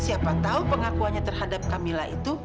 siapa tahu pengakuannya terhadap camilla itu